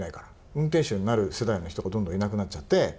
運転手になる世代の人がどんどんいなくなっちゃって。